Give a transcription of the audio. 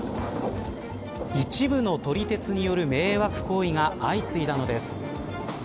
一部の撮り鉄による迷惑行為が相次いだのです。